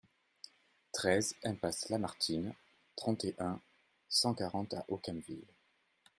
treize iMPASSE LAMARTINE, trente et un, cent quarante à Aucamville